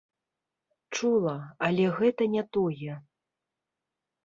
Чула, але гэта не тое.